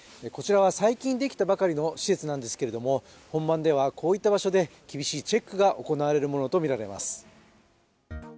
こちらは最近できたばかりの施設なんですけれども、本番ではこういった場所で厳しいチェックが行われるものとみられます。